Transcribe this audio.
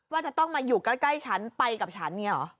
ว่าจะต้องมาอยู่ใกล้ฉันไปกับฉันอย่างนี้เหรอ